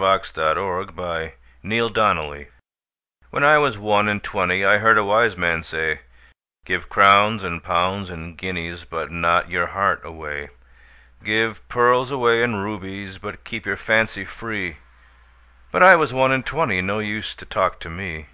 When I was one and twenty WHEN I was one and twentyI heard a wise man say,'Give crowns and pounds and guineasBut not your heart away; Give pearls away and rubiesBut keep your fancy free.'But I was one and twenty, No use to talk to me.